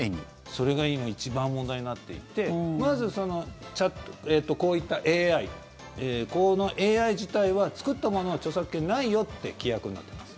それが今、一番問題になっていてまず、こういったＡＩこのＡＩ自体は作ったものは著作権ないよって規約になってます。